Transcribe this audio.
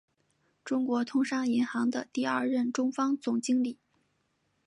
中国通商银行的第二任中方总经理。